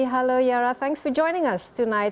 halo yara terima kasih untuk sertai kami malam ini